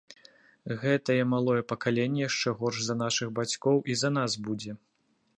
Гэтае малое пакаленне яшчэ горш за нашых бацькоў і за нас будзе.